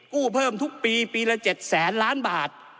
กู้เพิ่มทุกปีปีละ๗แสนล้านบาท